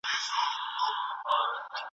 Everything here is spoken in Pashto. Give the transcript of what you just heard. ځينو ډلو په ټولنه کي وېره خپره کړې وه.